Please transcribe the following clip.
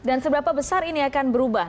dan seberapa besar ini akan berubah